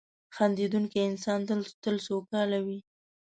• خندېدونکی انسان تل سوکاله وي.